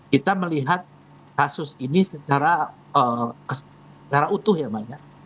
kita melihat kasus ini secara utuh ya mbak ya